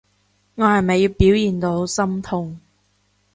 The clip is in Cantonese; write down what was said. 我係咪要表現到好心痛？